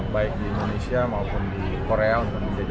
baik di indonesia maupun di korea untuk menjadi